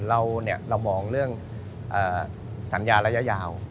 เรามองเรื่องสัญญาระยะยาว